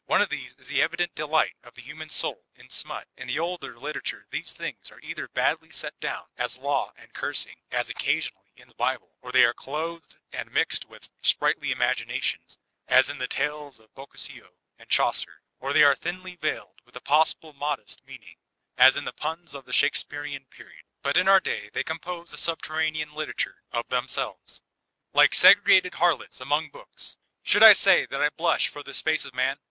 One of these is the evident delight of the human soul in smut. In the older literature these things are either badly set down, as law and cursing, as occasionally in the Bible ; or they are clothed and mixed with sprightly imaginations as in the tales of Boccaccio and Qiaucer; or they are thinly veiled with a possible modest meaning as in the puns of the Shakespearian period; but in our day, they compose a subterranean literature of themselves, like segregated harlots among books. Should I say that I blush for this face of Man